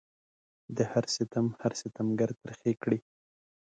د هر ستم هر ستمګر ترخې کړي